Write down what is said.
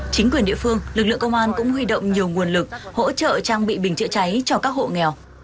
chính quyền địa phương lực lượng công an cũng huy động nhiều nguồn lực hỗ trợ trang bị bình chữa cháy cho các hộ nghèo